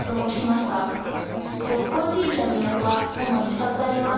鹿行地域の魅力は主に２つあります。